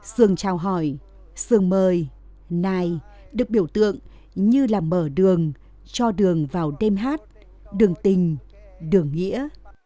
sườn trào hỏi sườn mời nài được biểu tượng như là mở đường cho đường vào đêm hát đường tình đường nghĩa